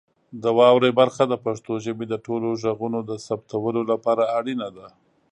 د واورئ برخه د پښتو ژبې د ټولو غږونو د ثبتولو لپاره اړینه ده.